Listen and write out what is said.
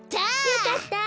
よかった！